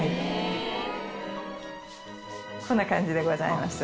こんな感じでございます。